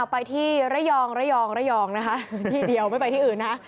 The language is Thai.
ไปที่ระยองระยองระยองนะคะที่เดียวไม่ไปที่อื่นนะ